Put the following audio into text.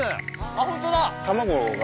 あっホントだ！